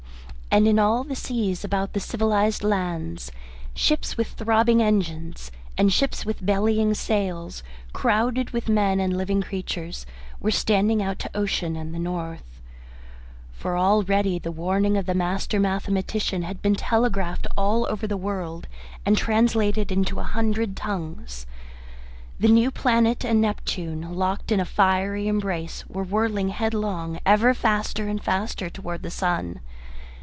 And in all the seas about the civilized lands, ships with throbbing engines, and ships with bellying sails, crowded with men and living creatures, were standing out to ocean and the north. For already the warning of the master mathematician had been telegraphed all over the world and translated into a hundred tongues. The new planet and Neptune, locked in a fiery embrace, were whirling headlong, ever faster and faster towards the sun.